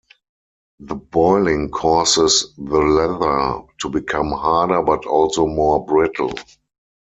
The boiling causes the leather to become harder but also more brittle.